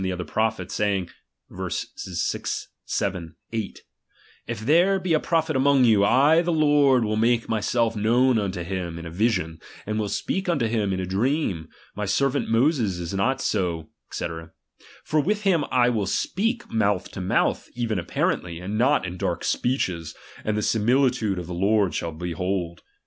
• If there he a prophet among you, I the Lord will jnake myself known unto him in a vision, and will speak unto him in a dream ; my servant Moses is not so, 8fc. For with him will I speak mouth to mouth, even apparently, and not in dark speeches, and the similitude of the Lord shall he behold.